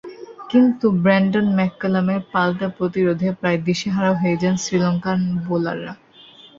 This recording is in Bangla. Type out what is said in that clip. কিন্তু ব্রেন্ডন ম্যাককালামের পাল্টা প্রতিরোধে প্রায় দিশেহারা হয়ে যান শ্রীলঙ্কান বোলাররা।